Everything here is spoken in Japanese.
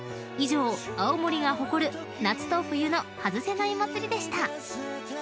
［以上青森が誇る夏と冬の外せない祭りでした］